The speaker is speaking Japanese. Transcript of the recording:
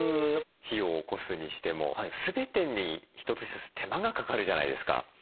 火をおこすにしても全てに一つ一つ手間がかかるじゃないですか。